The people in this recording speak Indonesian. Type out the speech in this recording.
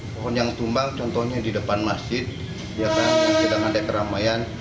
pohon yang tumbang contohnya di depan masjid ya kan tidak ada keramaian